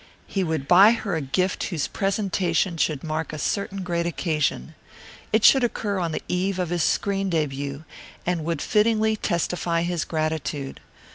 He would buy her a gift whose presentation should mark a certain great occasion. It should occur on the eve of his screen debut, and would fittingly testify his gratitude.